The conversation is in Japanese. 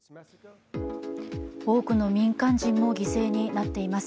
多くの民間人も犠牲になっています。